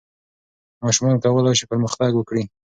ماشومان کولای سي پرمختګ وکړي.